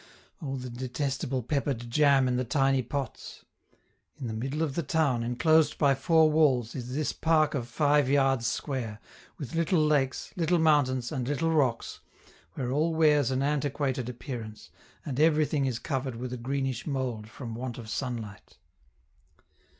Oh, the detestable peppered jam in the tiny pots! In the middle of the town, enclosed by four walls, is this park of five yards square, with little lakes, little mountains, and little rocks, where all wears an antiquated appearance, and everything is covered with a greenish mold from want of sunlight.